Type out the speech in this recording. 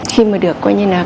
khi mà được coi như là cài